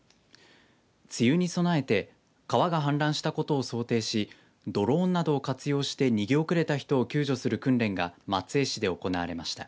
梅雨に備えて川が氾濫したことを想定しドローンなど活用して逃げ遅れた人を救助する訓練が松江市で行われました。